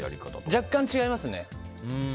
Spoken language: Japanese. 若干違いますね。